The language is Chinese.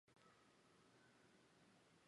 该校是以教师教育专业为主的本科院校。